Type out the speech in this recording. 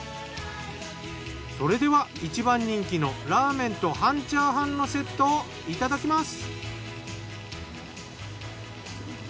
それでは１番人気のラーメンと半チャーハンのセットをいただきます。